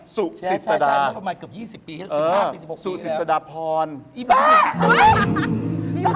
สุสิสดาสุสิสดาพรแบ๊ะ